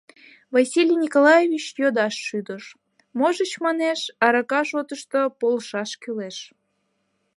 Василий Николаевич йодаш шӱдыш: можыч, манеш, арака шотышто полшаш кӱлеш...